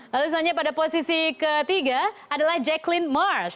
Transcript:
lalu selanjutnya pada posisi ketiga adalah jacqueline mars